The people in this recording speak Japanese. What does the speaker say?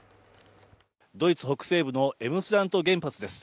ドイツ北西部のエムスラント原発です。